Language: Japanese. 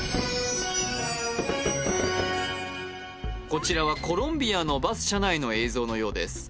こちらはコロンビアのバス車内の映像のようです